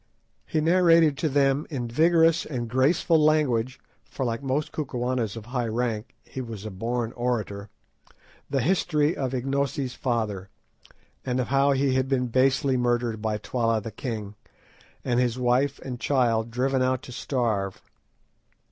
He narrated to them in vigorous and graceful language—for, like most Kukuanas of high rank, he was a born orator—the history of Ignosi's father, and of how he had been basely murdered by Twala the king, and his wife and child driven out to starve.